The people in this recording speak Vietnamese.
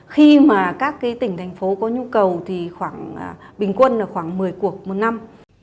khi các tỉnh thành phố có nhu cầu bình quân khoảng một mươi cuộc một năm